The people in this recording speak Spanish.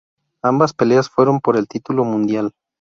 Ambas peleas fueron por el título mundial.